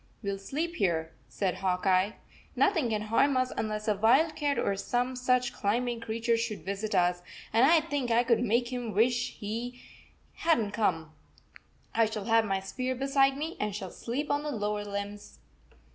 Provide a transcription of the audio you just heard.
"We ll sleep here," said Hawk Eye. "Nothing can harm us unless a wildcat or some such climbing creature should visit us, and I think I could make him wish he 65 had n t come. I shall have my spear beside me and shall sleep on the lower limbs."